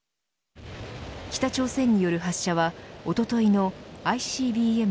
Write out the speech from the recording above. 北朝鮮による発射はおとといのＩＣＢＭ